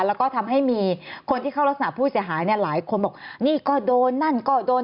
แล้วก็ทำให้มีคนที่เข้ารักษณะผู้เสียหายเนี่ยหลายคนบอกนี่ก็โดนนั่นก็โดน